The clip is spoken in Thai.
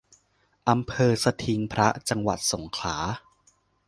อำเภอสทิงพระ จังหวัดสงขลา